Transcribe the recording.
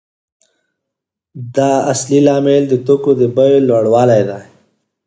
دا اصلي لامل د توکو د بیې لوړوالی دی